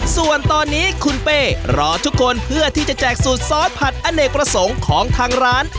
ส่วนตอนนี้คุณเป้รอทุกคนเพื่อที่จะแจกสูตรซอสผัดอเนกประสงค์ของทางร้าน